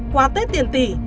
qua tết tiền tiền